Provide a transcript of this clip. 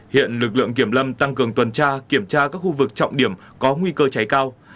hiện lực lượng kiểm lâm tăng cường tuần tra kiểm tra các khu vực trọng điểm có nguy cơ cháy cao